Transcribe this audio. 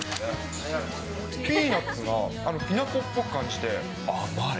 ピーナッツがきな粉っぽく感じて、甘い。